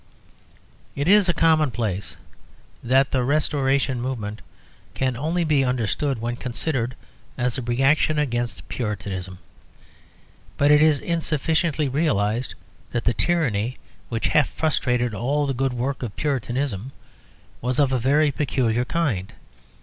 It is a commonplace that the Restoration movement can only be understood when considered as a reaction against Puritanism. But it is insufficiently realised that the tyranny which half frustrated all the good work of Puritanism was of a very peculiar kind.